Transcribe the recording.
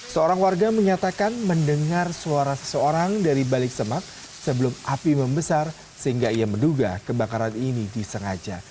seorang warga menyatakan mendengar suara seseorang dari balik semak sebelum api membesar sehingga ia menduga kebakaran ini disengaja